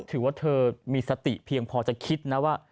ถือว่าเธอมีสติเพียงพอจะคิดนะว่า